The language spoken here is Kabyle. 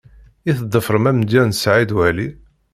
I tḍefrem amedya n Saɛid Waɛli?